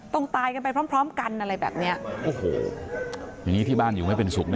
ต้องตายไปพร้อมกันอะไรแบบนี้ที่บ้านอยู่มันไม่เป็นสุขแน่